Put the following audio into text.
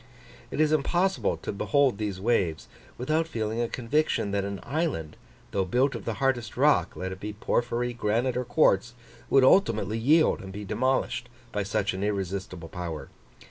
It is impossible to behold these waves without feeling a conviction that an island, though built of the hardest rock, let it be porphyry, granite, or quartz, would ultimately yield and be demolished by such an irresistible power.